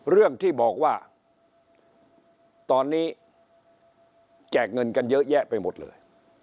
เรื่องที่บอกว่าตอนนี้แจกเงินกันเยอะแยะไปหมดเลย